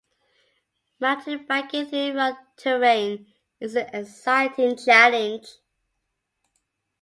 Mountain biking through rugged terrain is an exciting challenge.